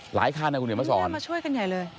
หลายครานนะคุณเหนียวมะสอนนี่มันมาช่วยกันใหญ่เลย